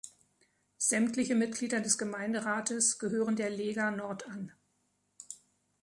Sämtliche Mitglieder des Gemeinderates gehören der Lega Nord an.